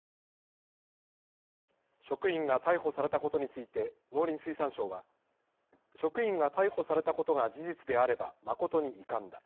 職員が逮捕されたことについて農林水産省は職員が逮捕されたことが事実であれば誠に遺憾だ。